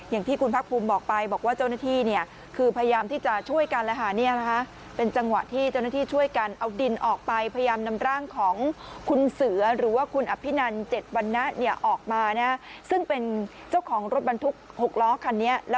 อย่างที่คุณพักภูมิบอกไปบอกว่าเจ้าหน้าที่เนี่ยคือพยายามที่จะช่วยกันนะฮะเนี่ยนะฮะ